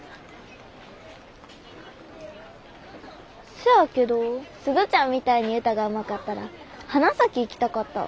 せやけど鈴ちゃんみたいに歌がうまかったら花咲行きたかったわ。